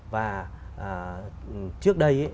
và trước đây